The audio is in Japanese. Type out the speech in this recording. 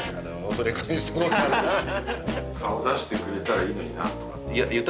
顔出してくれたらいいのになとかって？